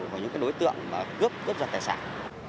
và những cái đối tượng mà cướp cướp giật tài sản